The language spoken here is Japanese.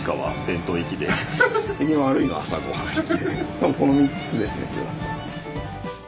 多分この３つですね今日は。